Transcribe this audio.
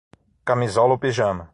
Camisola ou pijama